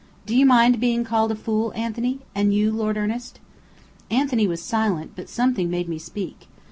Do you mind being called a fool, Anthony and you, Lord Ernest?" Anthony was silent; but something made me speak.